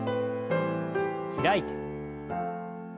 開いて。